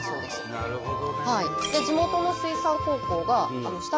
なるほどね。